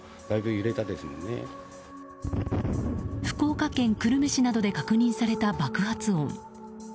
福岡県久留米市などで確認された爆発音。